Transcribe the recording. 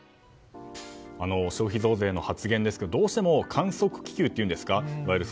消費増税の発言ですがどうしても観測気球というんですか。